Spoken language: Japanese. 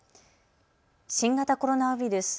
新型コロナウイルス。